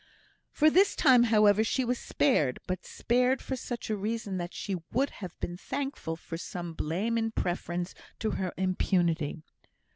For this time, however, she was spared; but spared for such a reason that she would have been thankful for some blame in preference to her impunity.